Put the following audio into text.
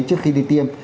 trước khi đi tiêm